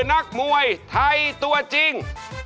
นักมวยไทยตัวจริง